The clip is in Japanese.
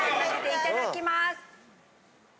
いただきます。